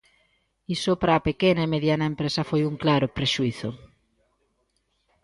Iso para a pequena e mediana empresa foi un claro prexuízo.